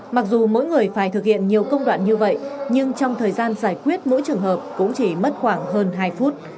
mặc dù mỗi người phải thực hiện nhiều công đoạn như vậy nhưng trong thời gian giải quyết mỗi trường hợp cũng chỉ mất khoảng hơn hai phút